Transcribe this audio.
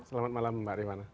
selamat malam mbak rimana